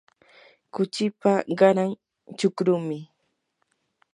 kuchipa qaran chukrumi.